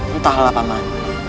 entahlah pak man